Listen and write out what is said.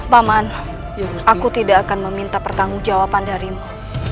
paman aku tidak akan meminta pertanggung jawaban darimu